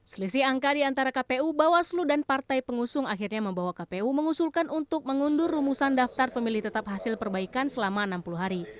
selisih angka di antara kpu bawaslu dan partai pengusung akhirnya membawa kpu mengusulkan untuk mengundur rumusan daftar pemilih tetap hasil perbaikan selama enam puluh hari